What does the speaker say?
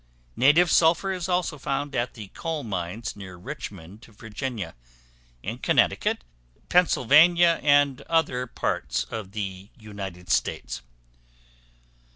Native sulphur is also found at the coal mines, near Richmond, Virginia; in Connecticut, Pennsylvania, and other parts of the United States.